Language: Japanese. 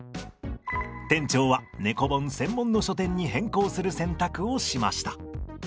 店長は猫本専門の書店に変更する選択をしました。